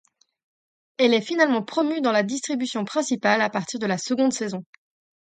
Elle est finalement promue dans la distribution principale à partir de la seconde saison.